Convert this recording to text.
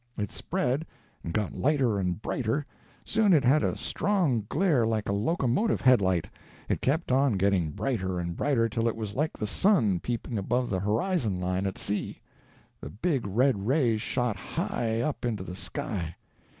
It spread, and got lighter and brighter: soon it had a strong glare like a locomotive headlight; it kept on getting brighter and brighter till it was like the sun peeping above the horizon line at sea—the big red rays shot high up into the sky.